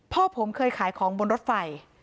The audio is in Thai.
พ่อผมเคยขายของบนรถไฟ